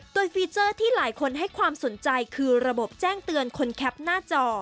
โดยฟีเจอร์ที่หลายคนให้ความสนใจคือระบบแจ้งเตือนคนแคปหน้าจอ